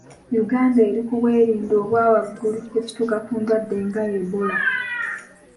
Uganda eri ku bwerinde obwawaggulu bwe kituuka ku ndwadde nga Ebola.